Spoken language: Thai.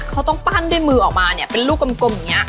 เขาต้องปั้นด้วยมือออกมาเนี่ยเป็นลูกกลมอย่างนี้